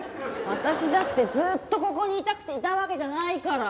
私だってずっとここにいたくていたわけじゃないから！